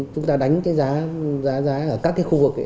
chúng ta đánh cái giá giá ở các cái khu vực ấy